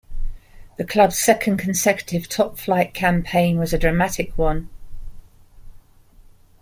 The club's second consecutive top flight campaign was a dramatic one.